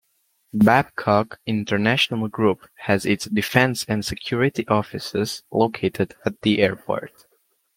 Babcock International Group has its Defence and Security offices located at the airport.